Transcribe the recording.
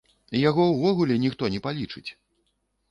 Яго ўвогуле ніхто не палічыць!